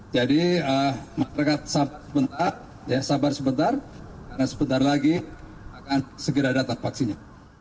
jadi masyarakat sabar sebentar karena sebentar lagi akan segera datang vaksinnya